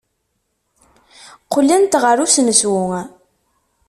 Qqlent ɣer usensu.